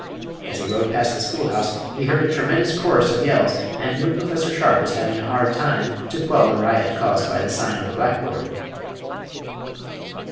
As he rode past the schoolhouse he heard a tremendous chorus of yells, and knew Prof. Sharpe was having a hard time to quell the riot caused by the sign on the blackboard.